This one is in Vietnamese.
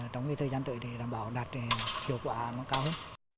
trong thời gian tới thì đảm bảo đạt hiệu quả nó cao hơn